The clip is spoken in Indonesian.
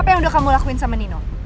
apa yang udah kamu lakuin sama nino